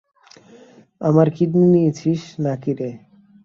আমার কিডনী নিয়েছিস না কি রে?